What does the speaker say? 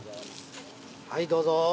はいどうぞ。